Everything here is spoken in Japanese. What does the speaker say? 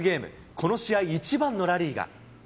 この試合一番のラリーが。